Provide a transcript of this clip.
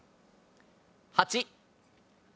８。